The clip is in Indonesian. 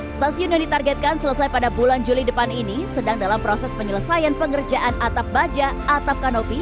stasiun yang ditargetkan selesai pada bulan juli depan ini sedang dalam proses penyelesaian pengerjaan atap baja atap kanopi